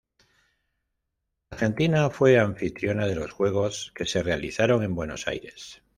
Argentina fue anfitriona de los Juegos que se realizaron en Buenos Aires.